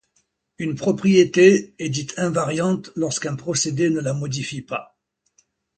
Une propriété est dite invariante lorsqu'un procédé ne la modifie pas.